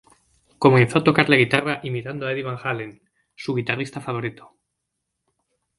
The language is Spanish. Comenzó a tocar la guitarra imitando a Eddie Van Halen, su guitarrista favorito.